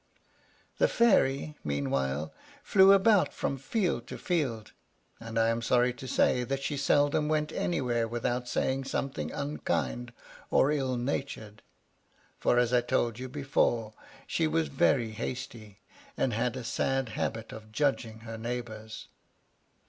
The Fairy, meanwhile, flew about from field to field, and I am sorry to say that she seldom went anywhere without saying something unkind or ill natured; for, as I told you before, she was very hasty, and had a sad habit of judging her neighbors.